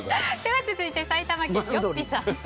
続いて、埼玉県の方。